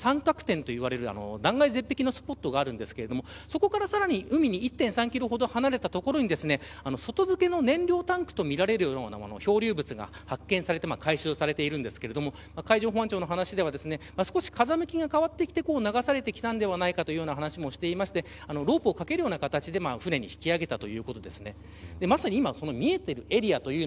１キロほど離れた場所に三角点といわれる断崖絶壁のスポットがあるんですがそこからさらに海に１．３キロ離れた所に外付けの燃料タンクとみられるような漂流物が発見されて回収されているんですが海上保安庁の話では少し風向きが変わってきて流されたんではないかという話もされていてロープをかけるような形で船に引き揚げたということです。